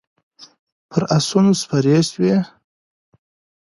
پر اسونو سپارې شوې.